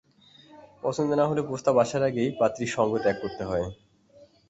পছন্দ না হলে প্রস্তাব আসার আগেই পাত্রীর সঙ্গ ত্যাগ করতে হয়।